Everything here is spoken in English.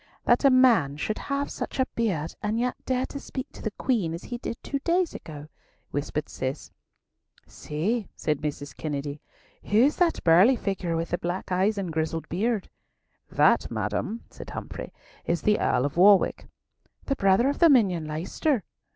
"That a man should have such a beard, and yet dare to speak to the Queen as he did two days ago," whispered Cis. "See," said Mrs. Kennedy, "who is that burly figure with the black eyes and grizzled beard?" "That, madam," said Humfrey, "is the Earl of Warwick." "The brother of the minion Leicester?"